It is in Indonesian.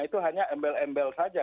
itu hanya embel embel saja